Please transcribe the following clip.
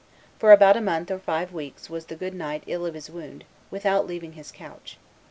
... For about a month or five weeks was the good knight ill of his wound, without leaving his couch.